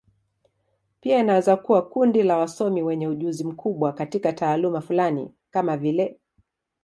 Pia inaweza kuwa kundi la wasomi wenye ujuzi mkubwa katika taaluma fulani, kama vile.